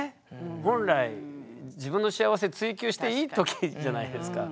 本来自分の幸せ追求していい時じゃないですか。